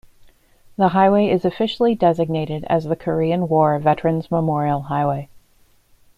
The highway is officially designated as the Korean War Veterans' Memorial Highway.